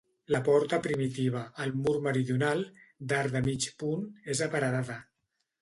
La porta primitiva, al mur meridional, d'arc de mig punt, és aparedada.